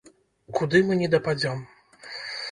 Куды мы не дападзём.